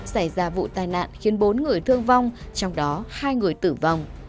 xảy ra vụ tai nạn khiến bốn người thương vong trong đó hai người tử vong